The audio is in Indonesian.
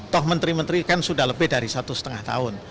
toh menteri menteri kan sudah lebih dari satu setengah tahun